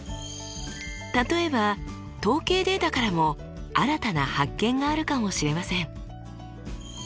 例えば統計データからも新たな発見があるかもしれません。